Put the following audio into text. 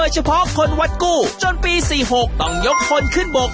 จนปี๔๖ต้องยกคนขึ้นบก